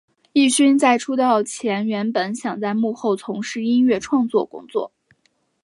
镒勋在出道前原本想在幕后从事音乐创作工作。